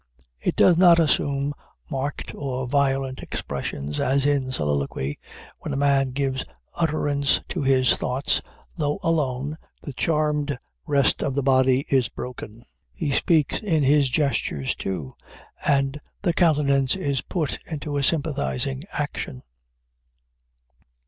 It does not assume marked or violent expressions, as in soliloquy. When a man gives utterance to his thoughts, though alone, the charmed rest of the body is broken; he speaks in his gestures too, and the countenance is put into a sympathizing action.